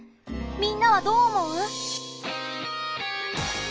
みんなはどう思う？